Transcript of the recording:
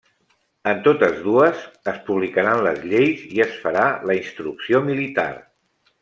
En totes dues es publicaran les lleis i es farà la instrucció militar.